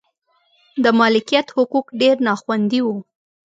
د مالکیت حقوق ډېر نا خوندي و.